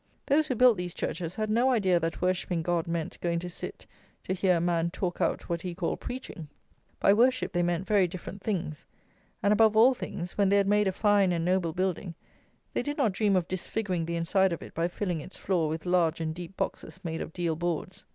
Those who built these churches had no idea that worshipping God meant going to sit to hear a man talk out what he called preaching. By worship they meant very different things; and, above all things, when they had made a fine and noble building, they did not dream of disfiguring the inside of it by filling its floor with large and deep boxes made of deal boards.